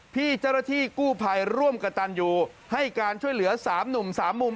พี่เจ้าหน้าที่กู้ภัยร่วมกับตันยูให้การช่วยเหลือ๓หนุ่ม๓มุม